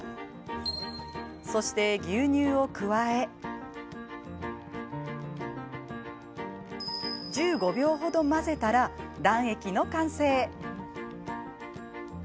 そして、牛乳を加え１５秒程混ぜたら、卵液の完成。